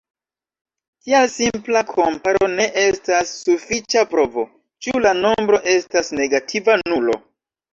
Tial simpla komparo ne estas sufiĉa provo, ĉu la nombro estas negativa nulo.